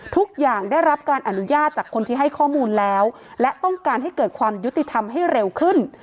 ทุกอย่างได้รับการอนุญาตจากคนที่ให้ข้อมูลแล้วและต้องการให้เกิดความยุติธรรมให้เร็วขึ้น